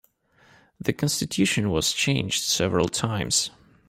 The constitution was changed several times.